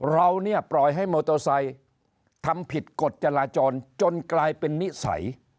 เราเนี่ยปล่อยให้มอเตอร์ไซค์ทำผิดกฎจราจรจนกลายเป็นนิสัย